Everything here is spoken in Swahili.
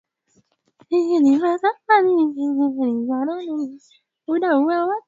uvamizi wa kisovyeti ulifanyika kwenye nchi ya afghanistani